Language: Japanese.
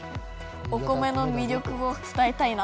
お米の魅力を伝えたいなと。